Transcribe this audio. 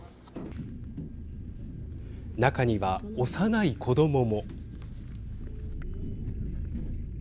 中には幼い子どもも。